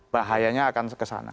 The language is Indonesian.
bahayanya akan kesana